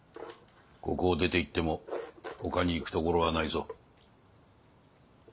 ここを出ていってもほかに行く所はないぞ。